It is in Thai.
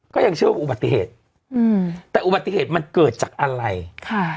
ก็ยังเชื่อว่าอุบัติเหตุอืมแต่อุบัติเหตุมันเกิดจากอะไรค่ะ